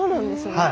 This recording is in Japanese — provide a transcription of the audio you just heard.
はい。